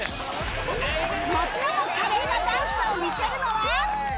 最も華麗なダンスを見せるのは！？